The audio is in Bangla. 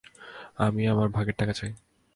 আমি আমার ভাগের টাকা চাই।